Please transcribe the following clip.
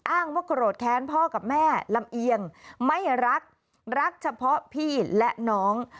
ว่าโกรธแค้นพ่อกับแม่ลำเอียงไม่รักรักเฉพาะพี่และน้อง